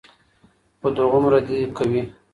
خو دغومره دې کوي،